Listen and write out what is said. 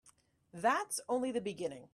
That's only the beginning.